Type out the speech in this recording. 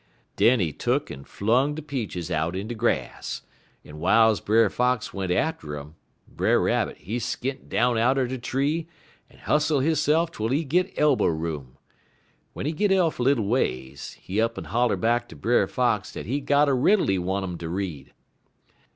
"Den he tuck'n flung de peaches out in de grass, en w'iles Brer Fox went atter um, Brer Rabbit, he skint down outer de tree, en hustle hisse'f twel he git elbow room. Wen he git off little ways, he up 'n holler back ter Brer Fox dat he got a riddle he want 'im ter read.